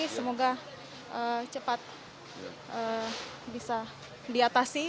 semoga cepat bisa diatasi